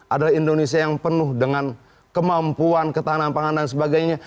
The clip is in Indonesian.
adalah indonesia yang penuh dengan kemampuan ketahanan pangan dan sebagainya